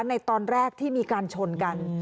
ในตอนแรกที่มีการชนกัน